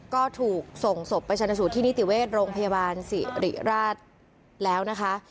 ก็ถูกส่งศพไปชนะสูตรที่นิติเวชโรงพยาบาลสิริราชแล้วนะคะ